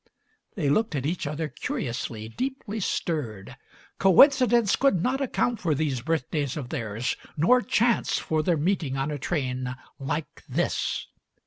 They looked at each other curiously, deeply stirred. Coincidence could not account for these birthdays of theirs, nor chance for their meeting on a train "like this."